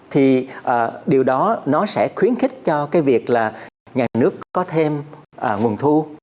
thì điều đó nó sẽ khuyến khích cho cái việc là nhà nước có thêm nguồn thu